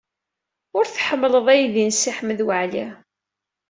Ur tḥemmel aydi n Si Ḥmed Waɛli.